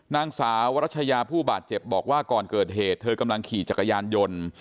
นางสาววรัชยาผู้บาดเจ็บบอกว่าก่อนเกิดเหตุเธอกำลังขี่จักรยานยนต์